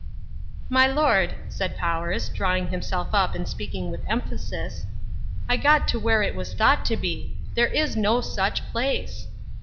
"My lord," said Powers, drawing himself up and speaking with emphasis, "I got to where it was thought to be. There is no such place!"